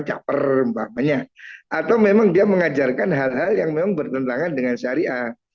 capernya atau memang dia mengajarkan hal hal yang memang bertentangan dengan syariah